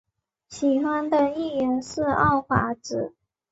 喜欢的艺人是奥华子。